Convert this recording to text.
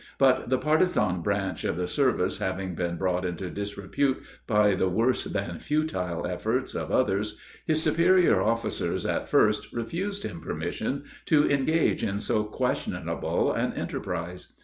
But the partizan branch of the service having been brought into disrepute by the worse than futile efforts of others, his superior officers at first refused him permission to engage in so questionable an enterprise.